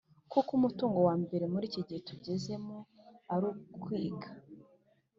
kuko umutungo wa mbere muri iki gihe tugezemo ari ukwiga.